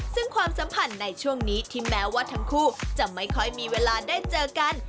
ซึ่งความสัมพันธ์ในช่วงนี้ที่แม้ว่าทั้งคู่จะไม่ค่อยมีเวลาได้เจอกัน